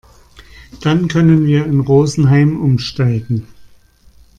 Dann können wir in Rosenheim umsteigen.